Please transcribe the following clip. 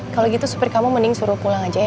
kalau gitu supir kamu mending suruh pulang aja ya